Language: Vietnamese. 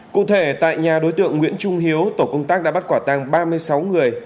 cụ thể tại nhà đối tượng nguyễn trung hiếu tổ công tác đã bắt quả tăng ba mươi sáu người